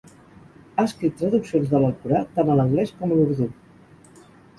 Ha escrit traduccions de l'Alcorà tant a l'anglès com a l'urdú.